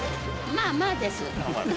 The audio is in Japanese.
まあまあです。